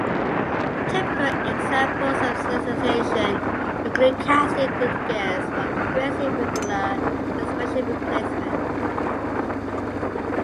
Typical examples of sanitization include casting to integers or aggressive regular expression replacement.